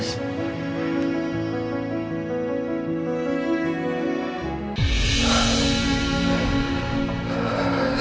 sekarang apa gunanya aku hidup